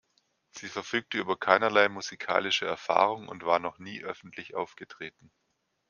Sie verfügte über keinerlei musikalische Erfahrung und war noch nie öffentlich aufgetreten.